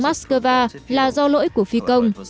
moscow là do lỗi của phi công